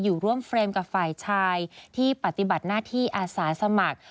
อยู่ร่วมเฟรมกับฝ่ายชายที่ปฏิบัติหน้าที่อาสาสมัคร